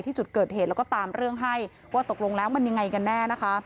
จุดเกิดเหตุแล้วก็ตามเรื่องให้ว่าตกลงแล้วมันยังไงกันแน่นะคะ